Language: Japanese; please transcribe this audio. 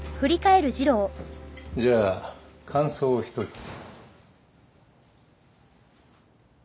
じゃあ感想を１つ。